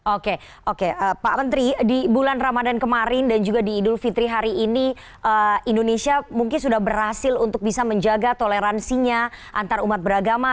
oke oke pak menteri di bulan ramadan kemarin dan juga di idul fitri hari ini indonesia mungkin sudah berhasil untuk bisa menjaga toleransinya antarumat beragama